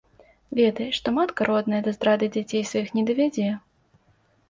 Ведай, што матка родная да здрады дзяцей сваіх не давядзе.